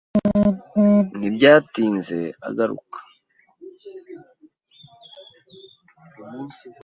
Ntibyatinze agaruka.